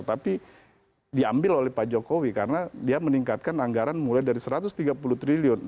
tapi diambil oleh pak jokowi karena dia meningkatkan anggaran mulai dari satu ratus tiga puluh triliun